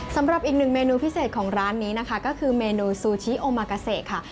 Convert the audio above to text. สำหรับอีกหนึ่งเมนูพิเศษของร้านนี้นะคะก็คือเมนูซูชิโอมากาเซค่ะ